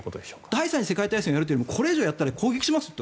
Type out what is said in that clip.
第３次世界大戦ではなくてこれ以上やったら攻撃しますと。